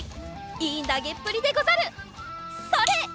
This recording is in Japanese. いいなげっぷりでござるそれ！